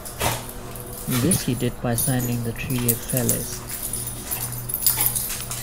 This he did by signing the Treaty of Falaise.